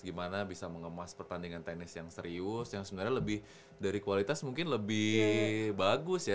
gimana bisa mengemas pertandingan tenis yang serius yang sebenarnya lebih dari kualitas mungkin lebih bagus ya